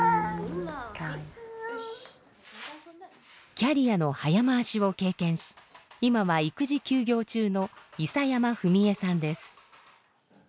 キャリアの早回しを経験し今は育児休業中の諌山史衣さんです。